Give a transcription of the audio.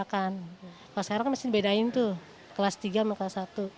kalau sekarang kan mesti dibedain tuh kelas tiga sama kelas satu